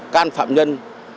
căn phạm nhân